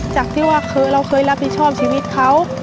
จากที่ว่าเราเคยรับผิดชอบชีวิตเขา